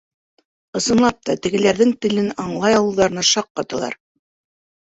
Ысынлап та тегеләрҙең телен аңлай алыуҙарына шаҡ ҡаталар.